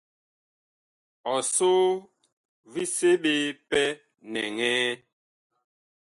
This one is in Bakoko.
Ɔsoo vi seɓe pɛ nɛŋɛɛ.